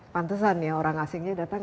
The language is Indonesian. pantesan ya orang asingnya datang